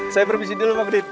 saya berbisik dulu pak udin